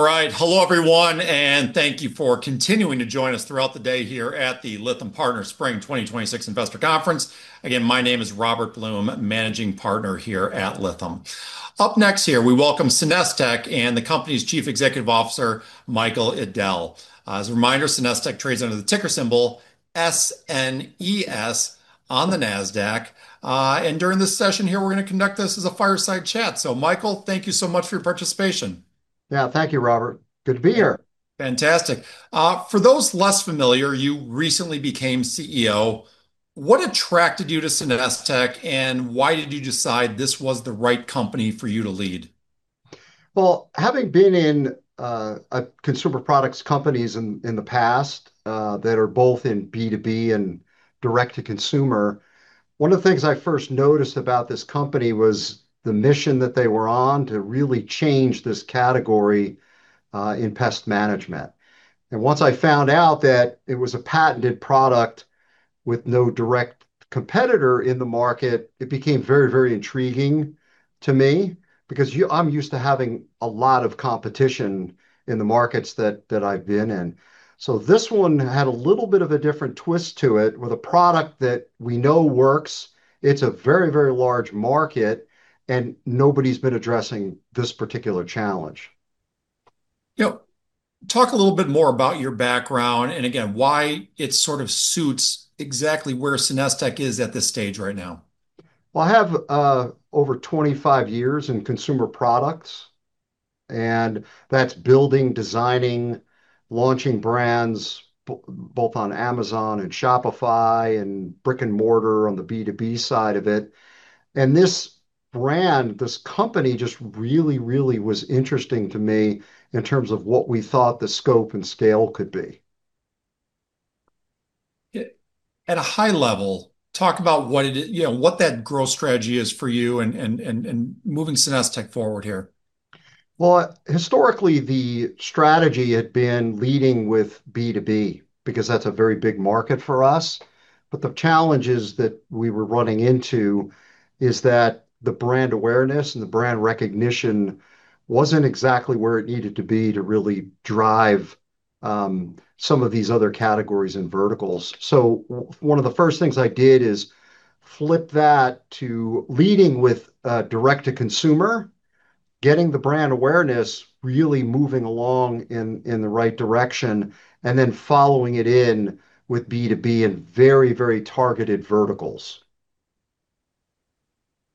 All right. Hello, everyone, and thank you for continuing to join us throughout the day here at the Lytham Partners Spring 2026 Investor Conference. Again, my name is Robert Blum, Managing Partner here at Lytham. Up next here, we welcome SenesTech and the company's Chief Executive Officer, Michael Edell. As a reminder, SenesTech trades under the ticker symbol SNES on the Nasdaq. During this session here, we're going to conduct this as a fireside chat. Michael, thank you so much for your participation. Yeah. Thank you, Robert. Good to be here. Fantastic. For those less familiar, you recently became CEO. What attracted you to SenesTech, and why did you decide this was the right company for you to lead? Having been in consumer products companies in the past that are both in B2B and direct-to-consumer, one of the things I first noticed about this company was the mission that they were on to really change this category in pest management. Once I found out that it was a patented product with no direct competitor in the market, it became very, very intriguing to me, because I'm used to having a lot of competition in the markets that I've been in. This one had a little bit of a different twist to it with a product that we know works. It's a very, very large market, and nobody's been addressing this particular challenge. Yep. Talk a little bit more about your background and again, why it sort of suits exactly where SenesTech is at this stage right now. Well, I have over 25 years in consumer products, and that's building, designing, launching brands both on Amazon and Shopify and brick-and-mortar on the B2B side of it. This brand, this company, just really was interesting to me in terms of what we thought the scope and scale could be. At a high level, talk about what that growth strategy is for you and moving SenesTech forward here. Well, historically, the strategy had been leading with B2B, because that's a very big market for us. The challenges that we were running into is that the brand awareness and the brand recognition wasn't exactly where it needed to be to really drive some of these other categories and verticals. One of the first things I did is flip that to leading with direct to consumer, getting the brand awareness really moving along in the right direction, and then following it in with B2B in very, very targeted verticals.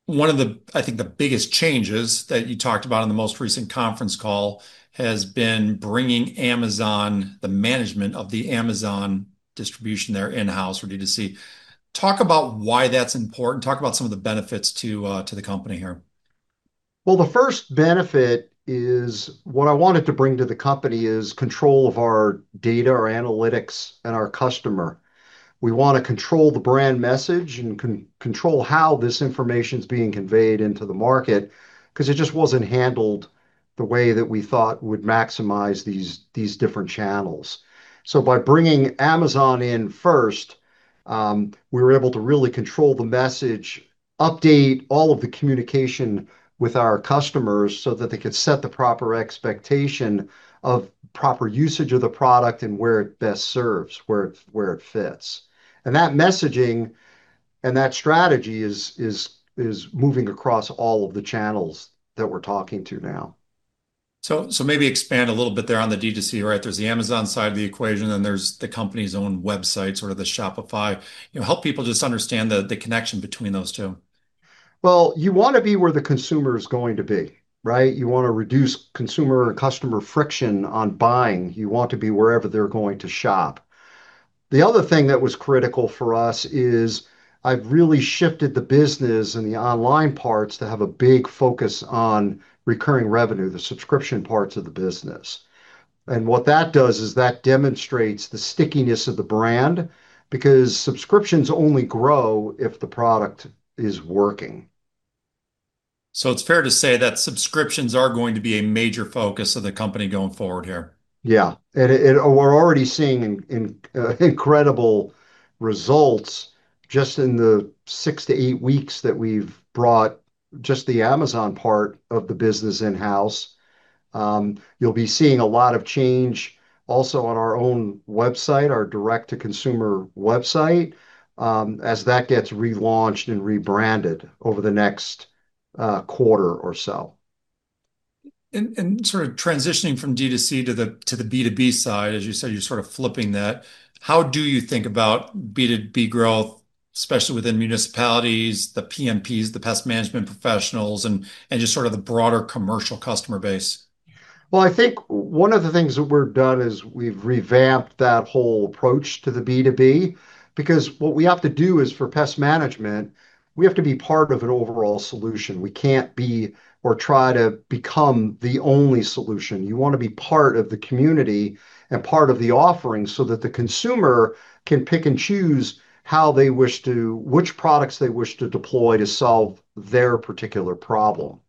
One of the, I think the biggest changes that you talked about in the most recent conference call has been bringing Amazon, the management of the Amazon distribution there in-house for D2C. Talk about why that's important? Talk about some of the benefits to the company here? The first benefit is what I wanted to bring to the company is control of our data, our analytics, and our customer. We want to control the brand message and control how this information's being conveyed into the market, because it just wasn't handled the way that we thought would maximize these different channels. By bringing Amazon in first, we were able to really control the message, update all of the communication with our customers so that they could set the proper expectation of proper usage of the product and where it best serves, where it fits. That messaging and that strategy is moving across all of the channels that we're talking to now. Maybe expand a little bit there on the D2C, right? There's the Amazon side of the equation, and there's the company's own website, sort of the Shopify. Help people just understand the connection between those two. Well, you want to be where the consumer is going to be, right? You want to reduce consumer or customer friction on buying. You want to be wherever they're going to shop. The other thing that was critical for us is I've really shifted the business and the online parts to have a big focus on recurring revenue, the subscription parts of the business. What that does is that demonstrates the stickiness of the brand, because subscriptions only grow if the product is working. It's fair to say that subscriptions are going to be a major focus of the company going forward here. Yeah. We're already seeing incredible results just in the six to eight weeks that we've brought just the Amazon part of the business in-house. You'll be seeing a lot of change also on our own website, our direct-to-consumer website, as that gets relaunched and rebranded over the next quarter or so. Sort of transitioning from D2C to the B2B side, as you said, you're sort of flipping that. How do you think about B2B growth, especially within municipalities, the PMPs, the pest management professionals, and just sort of the broader commercial customer base? Well, I think one of the things that we've done is we've revamped that whole approach to the B2B. What we have to do is for pest management, we have to be part of an overall solution. We can't be or try to become the only solution. You want to be part of the community and part of the offering so that the consumer can pick and choose which products they wish to deploy to solve their particular problem.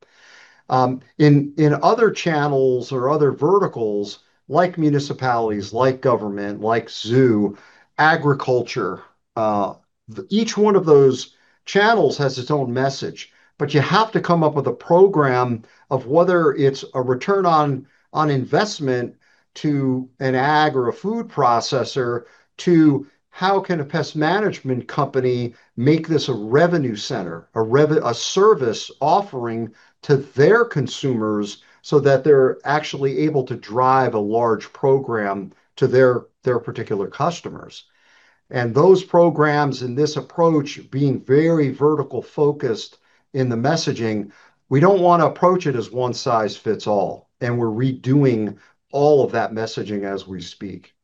In other channels or other verticals, like municipalities, like government, like zoo, agriculture, each one of those channels has its own message, but you have to come up with a program of whether it's a return on investment to an ag or a food processor, to how can a pest management company make this a revenue center, a service offering to their consumers so that they're actually able to drive a large program to their particular customers. Those programs and this approach being very vertical focused in the messaging, we don't want to approach it as one size fits all, and we're redoing all of that messaging as we speak.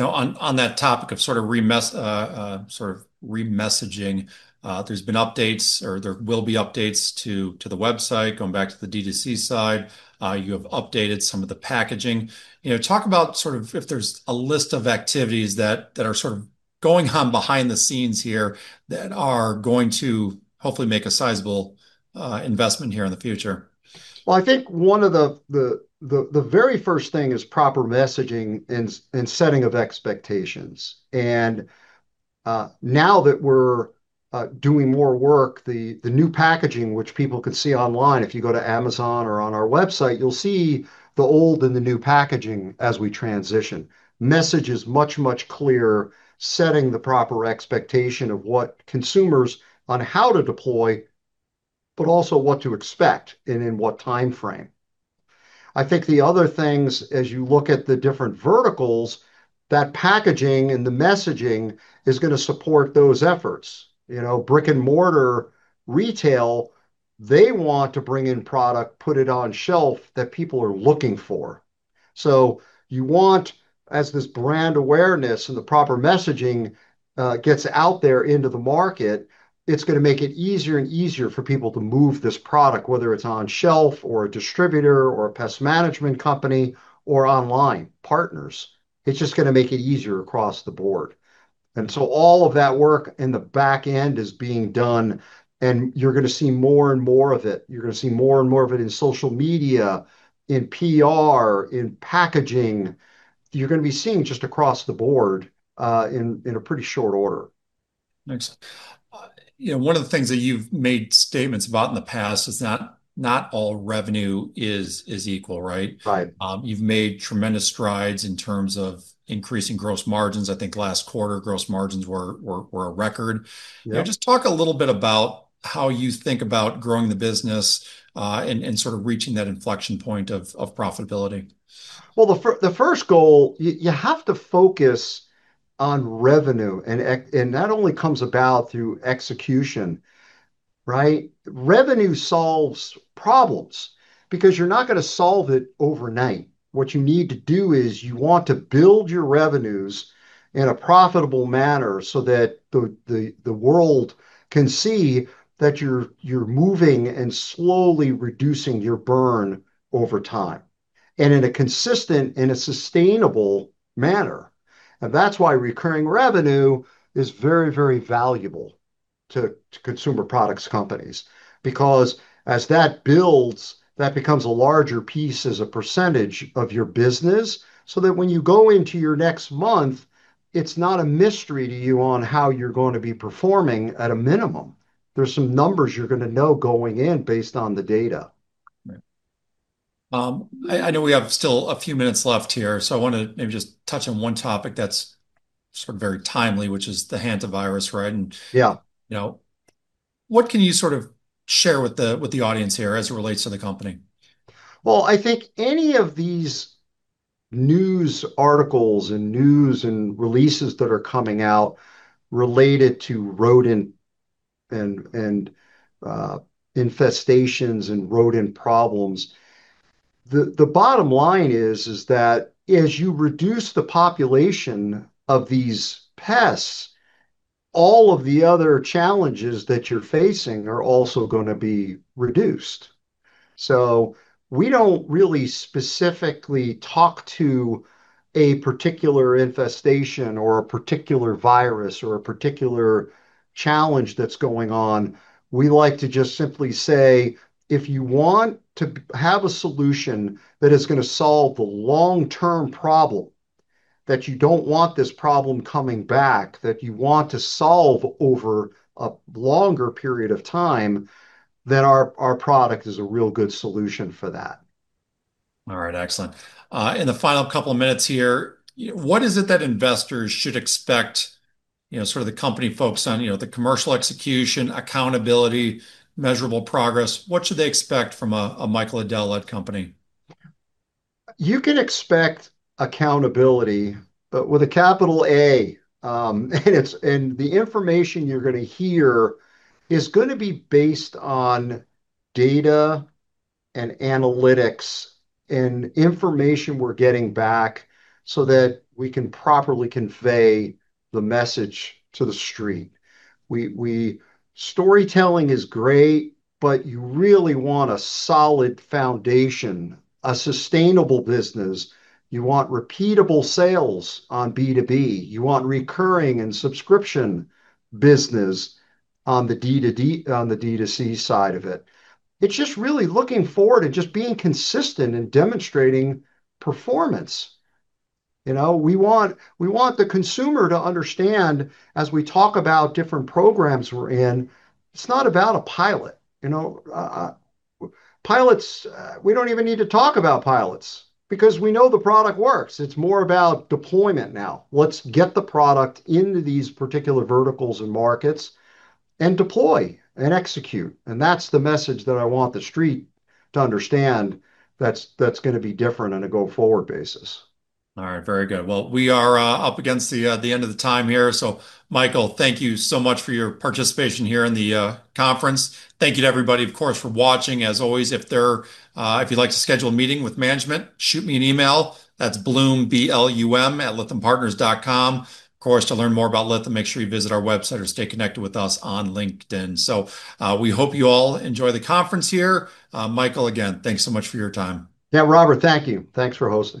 On that topic of sort of remessaging, there's been updates or there will be updates to the website, going back to the D2C side. You have updated some of the packaging. Talk about if there's a list of activities that are sort of going on behind the scenes here that are going to hopefully make a sizable investment here in the future. I think one of the very first things is proper messaging and setting of expectations. Now that we're doing more work, the new packaging, which people can see online, if you go to Amazon or on our website, you'll see the old and the new packaging as we transition. Message is much, much clearer, setting the proper expectation of what consumers on how to deploy, but also what to expect and in what timeframe. I think the other things, as you look at the different verticals, that packaging and the messaging is going to support those efforts. Brick and mortar retail, they want to bring in product, put it on shelf, that people are looking for. You want, as this brand awareness and the proper messaging gets out there into the market, it's going to make it easier and easier for people to move this product, whether it's on shelf or a distributor or a pest management company or online partners. It's just going to make it easier across the board. All of that work in the back end is being done, and you're going to see more and more of it. You're going to see more and more of it in social media, in PR, in packaging. You're going to be seeing just across the board in a pretty short order. Thanks. One of the things that you've made statements about in the past is not all revenue is equal, right? Right. You've made tremendous strides in terms of increasing gross margins. I think last quarter, gross margins were a record. Yeah. Just talk a little bit about how you think about growing the business and sort of reaching that inflection point of profitability. Well, the first goal, you have to focus on revenue, and that only comes about through execution, right? Revenue solves problems, because you're not going to solve it overnight. What you need to do is you want to build your revenues in a profitable manner so that the world can see that you're moving and slowly reducing your burn over time, and in a consistent and a sustainable manner. That's why recurring revenue is very valuable to consumer products companies. As that builds, that becomes a larger piece as a percentage of your business, so that when you go into your next month, it's not a mystery to you on how you're going to be performing at a minimum. There's some numbers you're going to know going in based on the data. Right. I know we have still a few minutes left here, so I want to maybe just touch on one topic that's sort of very timely, which is the hantavirus, right? Yeah. What can you sort of share with the audience here as it relates to the company? I think any of these news articles and news and releases that are coming out related to rodent and infestations and rodent problems, the bottom line is that as you reduce the population of these pests, all of the other challenges that you're facing are also going to be reduced. We don't really specifically talk to a particular infestation or a particular virus or a particular challenge that's going on. We like to just simply say, if you want to have a solution that is going to solve the long-term problem, that you don't want this problem coming back, that you want to solve over a longer period of time, then our product is a real good solution for that. All right, excellent. In the final couple of minutes here, what is it that investors should expect, sort of the company focus on the commercial execution, accountability, measurable progress. What should they expect from a Michael Edell-led company? You can expect accountability, with a capital A. The information you're going to hear is going to be based on data and analytics and information we're getting back so that we can properly convey the message to the street. Storytelling is great, you really want a solid foundation, a sustainable business. You want repeatable sales on B2B. You want recurring and subscription business on the D2C side of it. It's just really looking forward and just being consistent and demonstrating performance. We want the consumer to understand as we talk about different programs we're in, it's not about a pilot. Pilots, we don't even need to talk about pilots because we know the product works. It's more about deployment now. Let's get the product into these particular verticals and markets and deploy and execute. That's the message that I want the street to understand that's going to be different on a go forward basis. All right, very good. Well, we are up against the end of the time here. Michael, thank you so much for your participation here in the conference. Thank you to everybody, of course, for watching. As always, if you'd like to schedule a meeting with management, shoot me an email. That's Blum, B-L-U-M, @lythampartners.com. Of course, to learn more about Lytham, make sure you visit our website or stay connected with us on LinkedIn. We hope you all enjoy the conference here. Michael, again, thanks so much for your time. Yeah, Robert, thank you. Thanks for hosting.